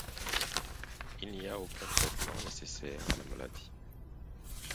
Il n’y a aucun traitement nécessaire à la maladie.